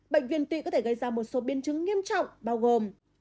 bệnh viên tụy có thể gây ra một số biên chứng nghiêm trọng bao gồm